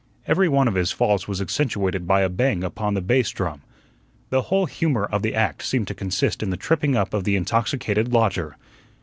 Every one of his falls was accentuated by a bang upon the bass drum. The whole humor of the "act" seemed to consist in the tripping up of the intoxicated lodger.